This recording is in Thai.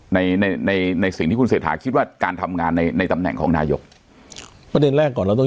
ในในสิ่งที่คุณเศรษฐาคิดว่าการทำงานในในตำแหน่งของนายกประเด็นแรกก่อนเราต้อง